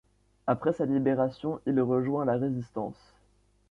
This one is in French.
Après sa libération, il rejoint la résistance.